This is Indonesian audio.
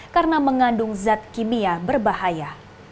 karena mengandung zat kimia berbahaya